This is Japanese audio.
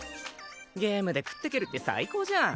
ゲームで食っていけるって最高じゃん！